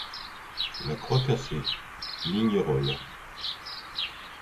La Croix Cassée, Lignerolles.